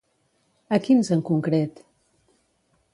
A quins en concret?